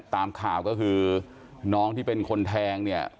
ตามข่าวก็คือน้องที่เป็นคนแทงเนี่ย